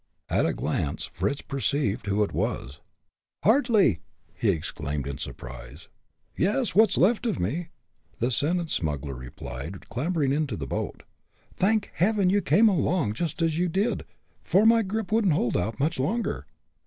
At a glance Fritz perceived who it was. "Hartly!" he exclaimed, in surprise. "Yes, what's left of me," the sentenced smuggler replied, clambering into the boat. "Thank Heaven you came along just as you did, for my gripe wouldn't hold out much longer."